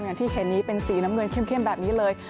อย่างที่เห็นนี้เป็นสีน้ำเงินเข้มแบบนี้เลย